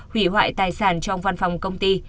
hủy hoại tài sản trong văn phòng công ty